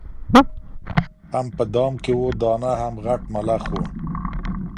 هم په دام کي وه دانه هم غټ ملخ و